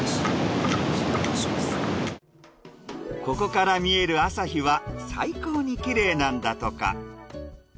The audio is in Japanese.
ここから見える朝日は最高にきれいなんだとか。